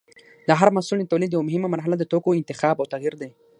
د هر محصول د تولید یوه مهمه مرحله د توکو انتخاب او تغیر دی.